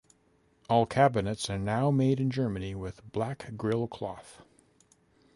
All cabinets are now made in Germany with black grill cloth.